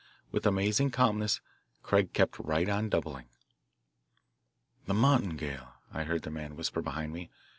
With amazing calmness Craig kept right on doubling. "The martingale," I heard the man whisper behind me.